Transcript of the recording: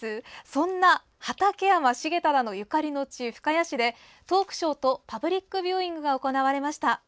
そんな畠山重忠のゆかりの地・深谷市でトークショーとパブリックビューイングが行われました。